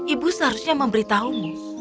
ibu seharusnya memberitahumu